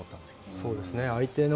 そうですね。